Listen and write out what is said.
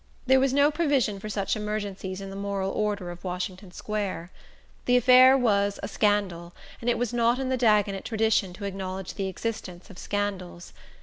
There was no provision for such emergencies in the moral order of Washington Square. The affair was a "scandal," and it was not in the Dagonet tradition to acknowledge the existence of scandals.